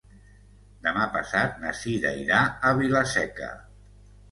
Demà passat na Cira irà a Vila-seca.